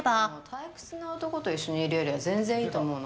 退屈な男と一緒にいるよりは全然いいと思うの。